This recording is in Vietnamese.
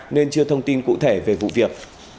nên chưa thông tin cụ thể về vụ việc